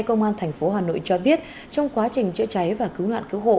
công an thành phố hà nội cho biết trong quá trình chữa cháy và cứu nạn cứu hộ